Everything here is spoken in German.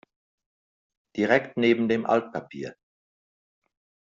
Direkt neben dem Altpapier.